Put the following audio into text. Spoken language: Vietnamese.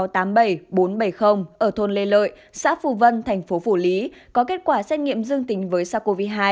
t sáu trăm tám mươi bảy bốn trăm bảy mươi ở thôn lê lợi xã phù vân thành phố phủ lý có kết quả xét nghiệm dương tính với sars cov hai